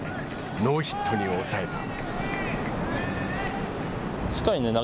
ノーヒットに抑えた。